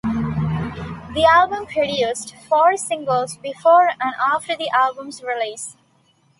The album produced four singles before and after the album's release.